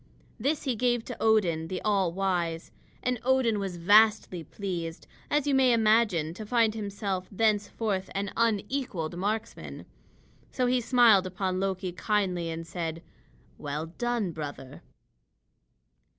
This he gave to Odin, the all wise. And Odin was vastly pleased, as you may imagine, to find himself thenceforth an unequaled marksman. So he smiled upon Loki kindly and said: "Well done, brother."